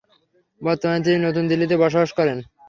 বর্তমানে তিনি নতুন দিল্লিতে বসবাস করেন।